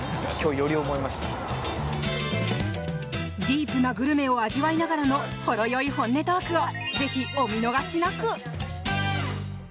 ディープなグルメを味わいながらのほろ酔い本音トークをぜひお見逃しなく！